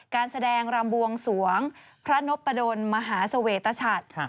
การแสดงรำบวงสวงพระนพประดนมหาเสวตชัด